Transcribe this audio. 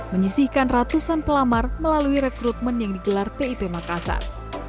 menyisihkan ratusan pelamar melalui rekrutmen yang digelar pip makassar